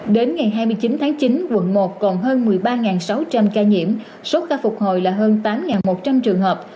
đến ngày hai mươi chín tháng chín quận một còn hơn một mươi ba sáu trăm linh ca nhiễm số ca phục hồi là hơn tám một trăm linh trường hợp